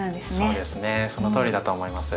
そうですねそのとおりだと思います。